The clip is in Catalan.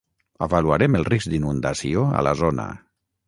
Avaluarem el risc d'inundació a la zona.